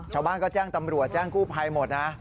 ชาวบ้านก็แจ้งตำรวจแจ้งกู้ภัยหมดนะ